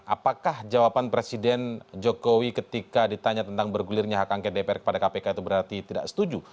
apakah jawaban presiden jokowi ketika ditanya tentang bergulirnya hak angket dpr kepada kpk itu berarti tidak setuju